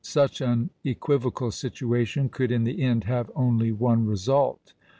Such an equivocal situation could in the end have only one result.